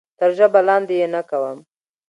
تر ژبه لاندې یې نه کوم.